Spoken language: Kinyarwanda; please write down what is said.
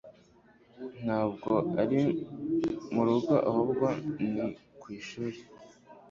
Ntabwo ari murugo ahubwo ni ku ishuri